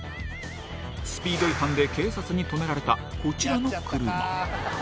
スピード違反で警察に止められたこちらの車。